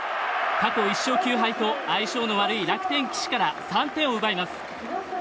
過去１勝９敗と相性の悪い楽天、岸から３点を奪います。